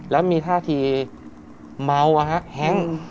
แล้วมีท่าทีเมา